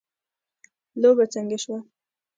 لوبه څنګه شوه